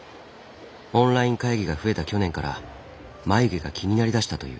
オンライン会議が増えた去年から眉毛が気になりだしたという。